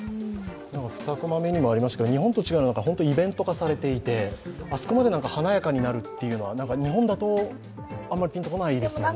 ２コマ目にもありましたが、日本と違うのは、イベント化されていてあそこまで華やかになるというのは、日本だとあまりピンと来ないですよね。